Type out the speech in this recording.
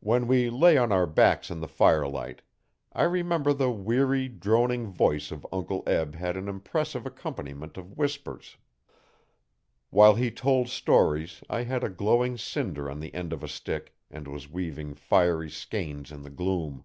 When we lay on our backs in the firelight I remember the weary, droning voice of Uncle Eb had an impressive accompaniment of whispers. While he told stories I had a glowing cinder on the end of a stick and was weaving fiery skeins in the gloom.